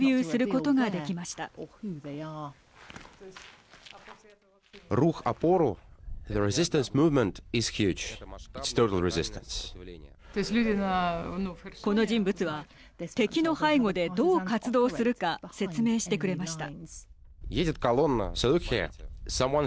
この人物は敵の背後で、どう活動するか説明してくれました。